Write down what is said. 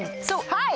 はい！